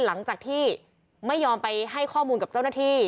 หลังจากที่ไม่ยอมไปให้ข้อมูลกับเจ้าหน้าที่